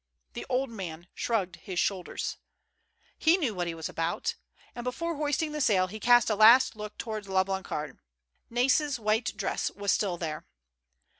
The old man shrugged his shoulders. He knew what he was about. And, before hoisting the sail, he cast a last MURDEROUS ATTEMPTS. 139 look towards La Blancarde. Nais's white dress was still there.